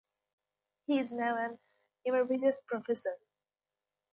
He is now an emeritus professor.